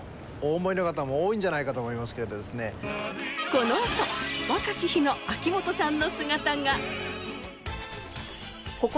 このあと若き日の秋元さんの姿が。